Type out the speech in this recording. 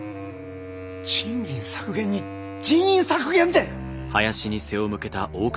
賃金削減に人員削減って！